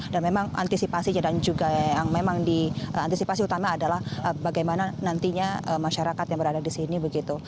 dan memang antisipasi dan juga yang memang di antisipasi utama adalah bagaimana nantinya masyarakat yang berada di sini begitu